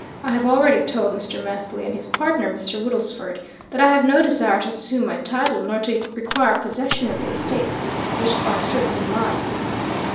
"I have already told Mr. Methley and his partner, Mr. Woodlesford, that I have no desire to assume my title nor to require possession of the estates which are certainly mine.